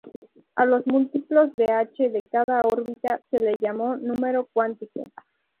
A los múltiplos de h de cada órbita se le llamó número cuántico.